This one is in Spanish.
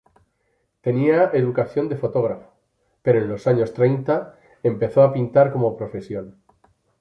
Tenía educación de fotógrafo, pero en los años treinta empezó a pintar como profesión.